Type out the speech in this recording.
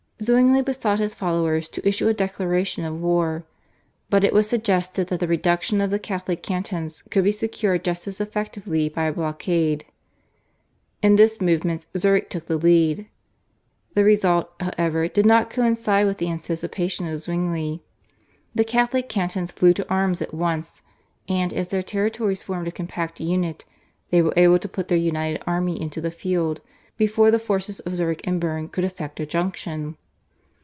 Zwingli besought his followers to issue a declaration of war, but it was suggested that the reduction of the Catholic cantons could be secured just as effectively by a blockade. In this movement Zurich took the lead. The result, however, did not coincide with the anticipations of Zwingli. The Catholic cantons flew to arms at once, and as their territories formed a compact unit, they were able to put their united army into the field before the forces of Zurich and Berne could effect a junction.